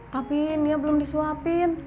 tapi nia belum disuapin